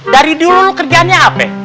dari dulu kerjaannya apa